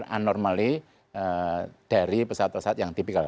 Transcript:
atau un normally dari pesawat pesawat yang tipikal